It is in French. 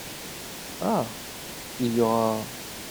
Ah !… il y aura…